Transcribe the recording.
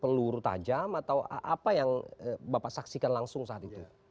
peluru tajam atau apa yang bapak saksikan langsung saat itu